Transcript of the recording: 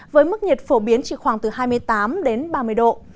với mức nhiệt phổ biến chỉ khoảng từ hai mươi tám đến ba mươi độ